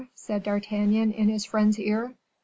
said D'Artagnan in his friend's ear.